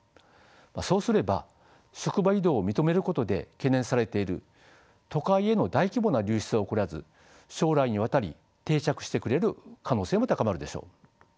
そうすれば職場移動を認めることで懸念されている都会への大規模な流出は起こらず将来にわたり定着してくれる可能性も高まるでしょう。